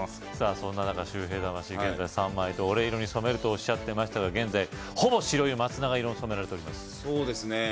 そんな中周平魂現在３枚で俺色に染めるとおっしゃってましたが現在ほぼ白い松永色に染められておりますそうですね